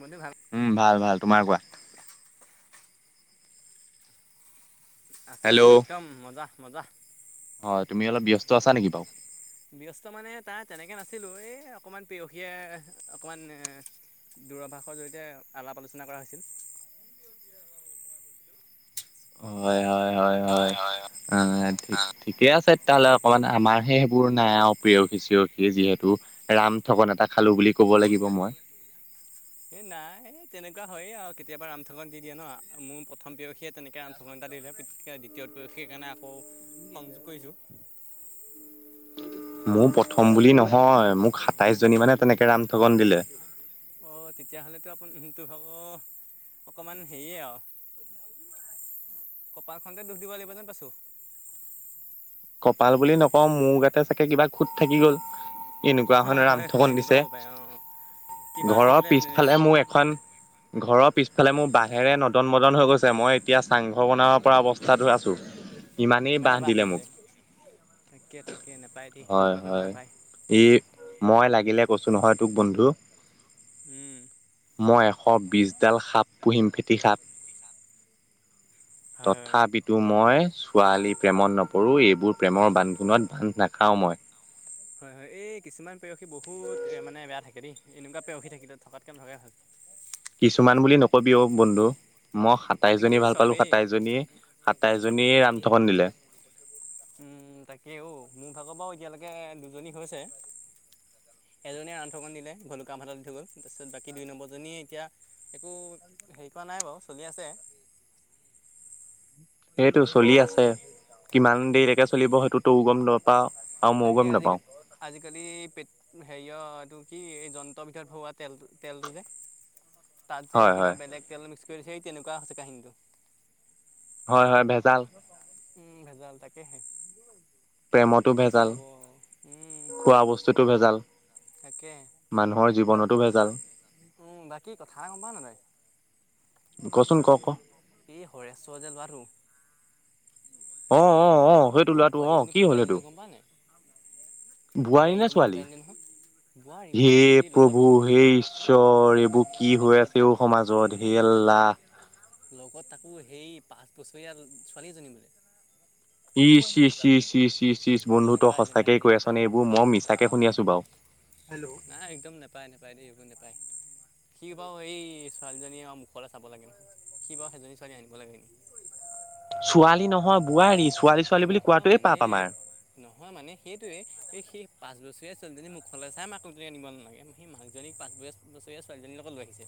বন্ধু ভাল উম ভাল ভাল তোমাৰ কোৱা। আছো আছো হেল্ল' একদম মজা মজা হয় তুমি অলপ ব্যস্ত আছা নেকি বাৰু। ব্যস্ত মানে তাৰ তেনেকে নাছিলো এই অকমান প্ৰীয়সীয়ে অকমান দূৰাভাষৰ জৰি়য়তে আলাপ আলোচনা কৰা হৈছিল। [inaudible] হয় হয় হয় হয় অ ঠিকে আছে। [unintelligible] অকমান আমাৰ সেইবোৰ নাই আও প্ৰিয়সী চিয়খি যিহেতু, ৰাম থগন এটা খালো বুলি কব কব লাগিব মই। এ নাই তেনেকুৱা হয়ে আও, কেতিয়াবা ৰামঠগন দি দিয়ে ন। মোৰ প্ৰথম প্ৰিয়সীয়ে তেনেকে ৰামঠগন এটা [unintelligible] দ্বিতীয় প্ৰেয়সী কাৰণে আকৌ সংযোগ কৰিছো। [inaudible] মোৰ প্ৰথম বুলি নহয়, মোক সাতাইশ জনী মানে তেনেকে ৰামঠগন দিলে। অঁ তেতিয়াহ'লেতো আপুনটো হব, অকণমান হেইয়ে আও। কপালখনতে দোষ দিব লাগিব যেন পাইছোঁ। কপাল বুলি নকওঁ, মোৰ গাতে চাগে কিবা খোট থাকি গল। এনেকুৱা এখন অঁ হয় হয় ৰামথগন এনেকুৱা দিছে, হ'ব পাৰে অঁ অঁ। [inaudible] কিবা ঘৰৰ থাকিলে পিছফালে মোৰ এখন ঘৰৰ পিছফালে মোৰ বাঁহেৰে নদন মদন হৈ গৈছে মই এতিয়া চাংঘৰ বনাব পৰা অৱস্থাত আছোঁ। ইমানেই বাঁহ দিলে মোক। তাকে তাকে নাপায় দেই হয় সেনেকুৱা কৰিব হয় নাপায়। ই মই লাগিলে কৈছোঁ নহয় তোক বন্ধু উম। মই এশ বিশছডাল সাপ পুহিম ফেটি সাপ। হয় হয়। তথাপিতো মই ছোৱালী প্ৰেমত নপৰো, এই বোৰ প্ৰেমৰ বান্ধোনত বান্ধ নাখাওঁ মই। হয় হয় এই কিছুমান প্ৰেয়সী বহুত মানে বেয়া থাকে দেই। এনেকুৱা প্ৰেয়সী থাকিলে থকাতকে নথকাই ভাল। কিছুমান বুলি নকবি ও বন্ধু, মই সাতাইশ জনী আজিকালি ভাল পালো চবেই সাতাইশ জনীয়েই, সাতাইশ জনীয়ে ৰাম থগন দিলে। উম তাকে ঔ, মোৰ ভাগৰ বাও এতিয়ালেকে দুজনী হৈছে। [inaudible] এজনীয়ে ৰাম ঠগন দিলে, ভুলুকা বাঁহ ডাল দি থৈ গ'ল, তাৰপিছত বাকী দুই নম্বৰ জনি এতিয়া একো হেৰি কৰা নাই বাৰু চলি আছে। [inaudible] সেইটো চলি আছে কিমান উম। দেৰিলকে চলিব সেইটো তো গম নাপাওঁ। তাকে আজি আজিকালি পেট হে কিয় এইটো কি এই যন্ত্ৰৰ ভিতৰত ভৰোৱা তেল তেলটো যে। তাত যে হয় হয় কিবা বেলেগ তেল মিক্স কৰি দিছে সেই তেনেকুৱা হৈছে কাহিনীটো। হয় হয় ভেজাল। উম ভেজাল তাকেহে। প্ৰেমতো কি ভেজাল, হ'ব উম খোৱা বস্তুটো ভেজাল। তাকে, মানুহৰ জীৱনতো বাকী ভেজাল [inaudible] উম বাকী কথা এষাৰ গম পাওঁ নাই তই? কচোন ক ক [inaudible] এই হৰেশ্বৰ যে লৱাটো আহ অ আহ সেইটো এই লৰাটো অ বোৱাৰীজনী কি পলুৱাই হ'ল আনিলে সেইটো? নহয় গম পাৱ নাই বোৱাৰী নে বোৱাৰীজনী ছোৱালী? পলুৱাই আনিলে নহয় বোৱাৰী হে বোৱাৰী এই লগত প্ৰভু সেই ঈশ্বৰ। এইবোৰ কি এই হৈ লগত আছে অ তাকো সমাজত শুন হে শুন আল্লাহ লগত তাকো সেই পাচ বছৰীয়া ছোৱালী এজনী বোলে। ই চিঃ চিঃচিঃ চিঃ চিঃ বন্ধু তই নেপায় নেপায় সঁচাকেই দেই কৈ আছ নেপায় নে এইবোৰ মই মিছাকে শুনি আছো বাও? নাই একদম নেপায় নেপায় দেই এইবোৰ নেপায়। [inaudible] সি বাও এই ছোৱালীজনীয় মুখলে চাব লাগে নহয়। সি বাও সেজনী ছোৱালী আনিব লাগে নেকি? ছোৱালী নহয় বুৱাৰী। নহয় মানে নহয় মানে সেইটোয়েই এই সি পাঁচ বছৰীয়া ছোৱালীজনী মুখলে চাই মাকক [inaudible] আনিব নালাগে সেই মাকজনী পাঁচ বছীয়া ছোৱালীজনীৰ লগত লৈ আহিছে।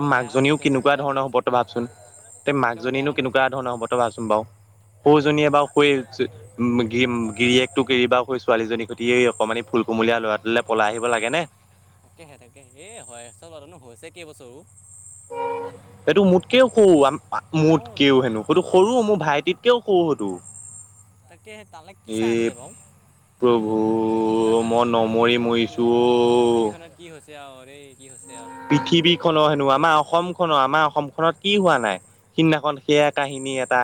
আৰু বেয়া কাম মাকজনীও কৰিছে হয় ন কেনেকুৱা বৰ বেয়া কাম ধৰণৰ হ'ব কৰিছে তই ভাবচোন। তে মাক তাকে বৰ বেয়া জনীনো কাম কৰিছে কেনেকুৱা ধৰণৰ হ'ব তইভাবচোন বাৰু সৰু তাকে জনীয়ে বাৰু কয় উম, গিৰিয়েক টো এৰি বা সৰু ছোৱালীজনীৰ সৈতে অকমান ফুল কুমলীয়া ল'ৰাটোলৈ পলাই আহিব লাগে নে। তাকেহে তাকে এই হয় [unintelligible] হৈছে কেইবছৰও। এইটো মোতকেও সৰু অঁ তো মোতকেও হেনো এইটো সৰু মোৰ ভাইটিত কেওঁ সৰু। [unintelligible] তাকেহে তালৈ কি চাই আহিলে বাৰু। ওঁ, মই এই নমৰি মৰিছোঁ ওঁ। তিয়া। [unintelligible] পৃথিৱীখনৰ হেনো আমাৰ অসম খনৰ আমাৰ অসমখনত কি হোৱা নাই সিদিনাখন সেয়া কাহিনী এটা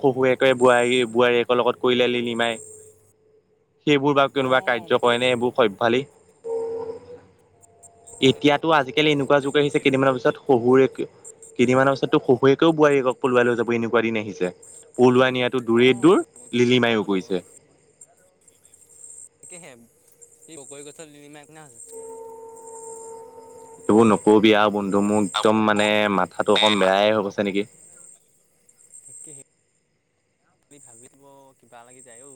শহুৱেকৈ বোৱাৰী বোৱাৰীয়েকৰ লগত কৰিলে লিলিমাই। সেইবোৰ বা কোনোবা কাৰ্য কৰে ন অঁ এইবোৰ সভ্যয়ালী তাতে এতিয়া তো আজিকালি নাপাতি এনেকুৱা যুগ আহিছে নাপাতি কেইদিনমানৰ পিছত শহুৰে কেইদিনমানৰ পাছতো শহুৱেকে বোৱাৰীক পলুৱাই লৈ যাব এনেকুৱা দিন আহিছে। পলোৱাই নিয়াতো দূৰে অঁ দূৰ তো লিলিমায়ও হ'ব কৰিছে। তাকে হে কি ককৈ গছৰ লিলিমায় নিচিনা হয়চে। [unintelligible] নকবি আৰু বন্ধু মোৰ একদম মানে মাথাটো অকণ বেয়াই হৈ গৈছে নেকি। তাকেহে বুলি ভাবিব কিবা লাগি যায় অঔ।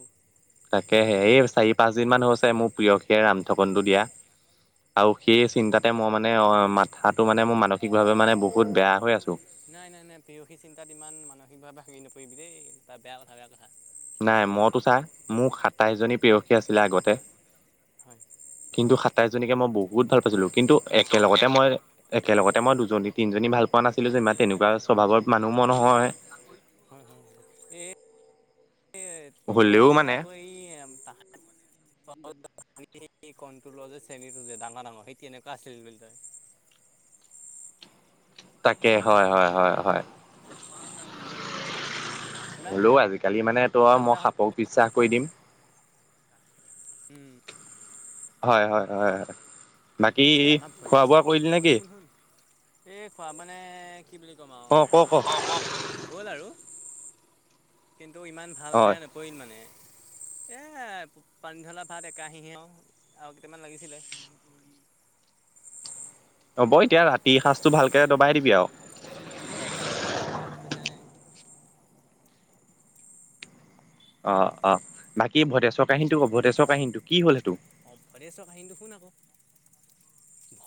তাকে [unintelligible] চাৰি পাচদিনমান হৈছে মোৰ প্ৰিয়সিয়ে ৰাম থগনটো দিয়া। আৰু সেই চিন্তাতে মই মানে অ' মাথাটো মানে মোৰ মানসিকভাৱে মানে বহুত বেয়া হৈ আছো। নাই নাই নাই পেৰসী চিন্তাত ইমান মানসিকভাৱে ভাঙি নপৰিবি দেই এইটো বেয়া কথা বেয়া কথা। নাই ম তো ছা, মোৰ সাতাইছজনী পেৰসী আছিলে আগতে। হয়। কিন্তু সাতাইছজনীকে মই বহুত ভাল পাইছিলোঁ কিন্তু একেলগতে মই একেলগতে মই দুজনী তিনজনী ভাল পোৱা নাছিলো যে ইমান তেনেকুৱা স্বভাৱৰ মানুহ ম ই নহয়। এই হ'লেও বোলে মানে আকৌ এই তাহ ক্ৰলৰ যে চেণীটো যে ডাঙৰ ডাঙৰ সেই তেনেকুৱা আছিল বুলি ত তাকে হয় হয় হয় হয়। ইমান হ'লও গোটা আজিকালি মানে তো গোটা মই গোটা হ'ল সাপক বিশ্বাস কৰি দিম, উম। হয়- হয়, হয়-হয়। এই আমাৰ ভতেছ শুন-শুন এই খোৱা মানে কি বুলি ক'ম অ ক ক আৰু হল আৰু কিন্তু ইমান অ ভালকে নপৰিল মানে। এই পানী ঢলা ভাত এক কাহীহে আৰু কেইটামান লাগিছিলে। হ'ব এতিয়া ৰাতি সাঁজটো ভালকে দবাই দিবি আৰু। তাকে একাহী বাৰু ভোক [unintelligible] নে। অ', অ' বাকী ভটেশ্বৰ কাহিনটো ভটেশ্বৰ কাহিনীটো কি হ'ল সেইটো? অ' ভদেশ্বৰ কাহিনী তো শুন আকৌ।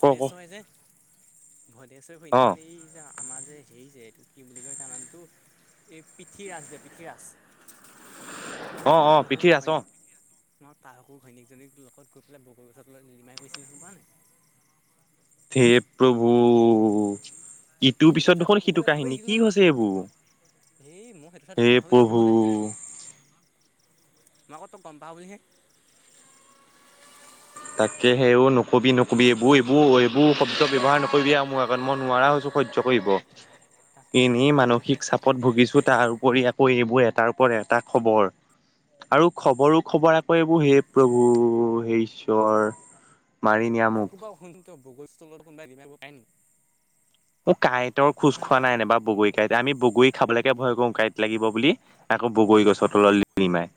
ক ক যে ভদেশ্বৰ অ [unintelligible] এই যে আমাৰ যে হেৰি যে কি বুলি কয় তাৰ নামটো এই পিঠিৰাচ দে পিঠিৰাচ অ', অ' পিঠিৰাছ অ' [unintelligible] তাৰ আকৌ [unintelligible] ঘৈনীয়েকজনীক লগত গৈ পেলাই বগৰী গছৰ তলত লিলিমাই কৰিছিলে নহয়। [unintelligible] এ প্ৰভু ইটোৰ সেইটো পিছত কথা দেখোন সিটো কাহিনী কি হৈছে এইবোৰ। সেই মোক সেইটো কথা তোক হে পাহৰিলেই প্ৰভু ক'বলৈ। মই আকৌ ত‌ই গম পাওঁ বুলিহে। তাকেহে অও নকবি নকবি এইবোৰ এইবোৰ এইবোৰ শব্দ ব্যৱহাৰ নকৰিবি আৰু মোৰ আগত মই নোৱাৰা হৈছো। সহ্য কৰিব তাকে এনেই তাকে অ' মানসিক চাপত ভুগিছো তাৰ কৰি আকৌ এইবোৰ এটাৰ ওপৰত এটা খবৰ আৰু খবৰো খবৰ আকৌ এইবোৰ সেই প্ৰভু হে ঈশ্বৰ। ঈশ্বৰ মাৰি নিয়া তাকো মোক। বাৰু শুন বগৰী গছৰ তলত কোনোবাই লিলিমাই কৰিব পায় নেকি? অঁ কাঁইটৰ খোজ হয় নহয় খোৱা তই ক নাই নে বাৰু বগৰী কাঁইট আমি বগৰী খাবলৈকে ভয় কৰো। কাঁইট লাগিব বুলি আকৌ বগৰী গছৰ তলত লিলিমাই।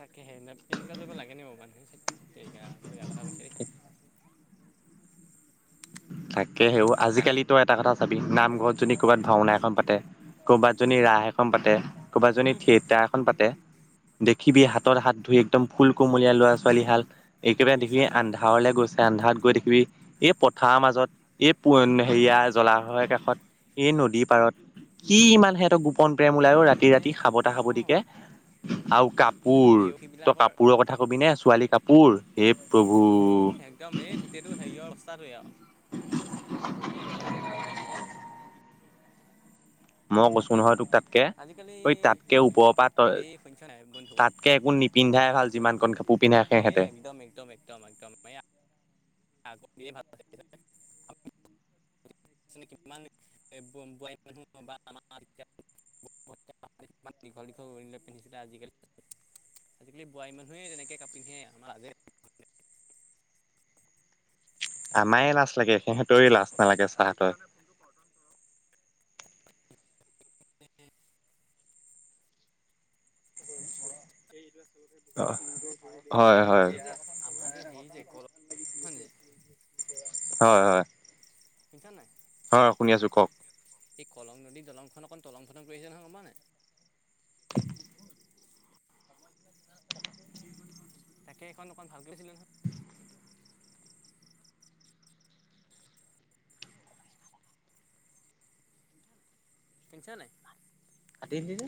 তাকেহে এনেকুৱা কৰিব লাগেনে বাৰু মানুহে এই তেৰিকা বৰ বেয়া কথা কৈছে দেই। তাকে সেও আজিকালিতো এটা কথা চাবি নামঘৰত যদি ক'ৰবাত ভাওনা এখন পাতে, ক'ৰবাত যদি ৰাস এখন পাতে ক'ৰবাত যদি উম থিয়েটাৰ এখন পাতে, দেখিবি হাতত হাত ধুই একদম ফুল কোমলীয়া ল'ৰা-ছোৱালী হাল, একেবাৰে কি দেখি চাবা আন্ধাৰলৈ গৈছে আন্ধাৰত গৈ দেখিবি দেখিবি এই পদ পথাৰৰ মাজত, এই হেৰিয়া জলাশয়ৰ কাষত, এই নদী পাৰত। কি ইমান সিহঁতৰ গোপন প্ৰেম ওলাই এই আৰু মানে ৰাতি-ৰাতি অঁ সাবতা-সাবটিকে। আৰু কাপোৰ তই প্ৰেয়সীবিলাকৰ কাপোৰৰ কথা কবিনে ছোৱালী কাপোৰ সেই এ একদম এই গোটেইটো হেৰিয়ৰ অৱস্থাটোৱেই আৰু মই কৈছো নহয় তোক তাক কে আজিকালি ঐ তাতকে ওপৰৰ পৰা এই শুনিছ নাই বন্ধু তাতকে একো এই নিপিন্ধাই কলি ভাল যুগ মানে যিমান কন কাপোৰ পিন্ধাই এই সিহঁতে একদম-একদম-একদম-একদম। [unintelligible] এ বোৱাৰী মানুহ বা আমাৰ ইমান দীঘল-দীঘল উৰণি লৈ পিন্ধিছিলে আজিকালি আজিকালি বোৱাৰী মানুহে তেনেকে কাপোৰ নিপিন্ধে আমাৰ [unintelligible] [inaudible] আমাৰে লাজ লাগে সিহঁতৰে লাজ নালাগে চাৰহতৰ। আহ। এই যে আমাৰ যে সেই যে কখন [unintelligible] যে হয়-হয়। শুনিছা নাই? অ শুনি আছো কওক। এই কলং নদীৰ দলংখন অকণ টলং-ফটং কৰিছে নহয় গম পাৱ নাই? তাকে এখন অকন ভাল কৰি দিলে। শুনিছ নাই? কাটিয়ে দিলি যে